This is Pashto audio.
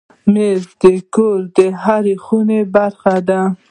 مېز د کور د هرې خونې برخه ده.